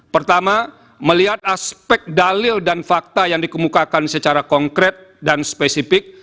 pertama melihat aspek dalil dan fakta yang dikemukakan secara konkret dan spesifik